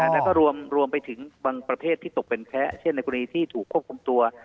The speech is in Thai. แล้วก็รวมไปถึงบางประเทศที่ตกเป็นแพ้เช่นในกรณีที่ถูกควบคุมตัว